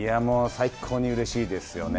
最高にうれしいですよね。